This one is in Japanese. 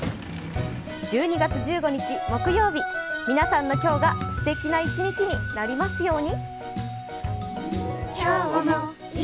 １２月１５日木曜日皆さんの今日がすてきな一日になりますように。